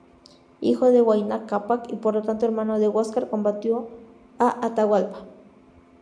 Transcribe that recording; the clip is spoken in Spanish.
Hijo de Huayna Cápac y por lo tanto, hermano de Huáscar, combatió a Atahualpa.